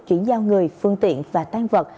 chuyển giao người phương tiện và tan vật